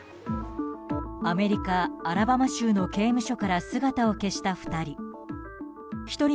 アメリカ・アラバマ州の刑務所から姿を消した２人。